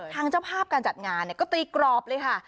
เจ้าภาพการจัดงานก็ตีกรอบเลยค่ะ